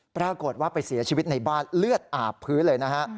ปรากฏว่าไปเสียชีวิตในบ้านเลือดอาบพื้นเลยนะฮะ